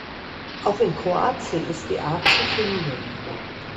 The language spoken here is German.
Auch in Kroatien ist die Art zu finden.